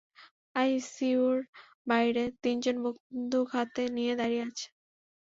আইসিইউর বাইরে তিনজন বন্দুক হাতে নিয়ে দাড়িয়ে আছে।